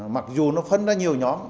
mặc dù nó phân ra nhiều nhóm